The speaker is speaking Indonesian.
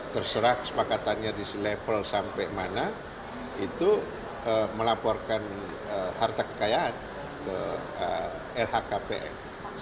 terserah kesepakatannya di level sampai mana itu melaporkan harta kekayaan ke lhkpn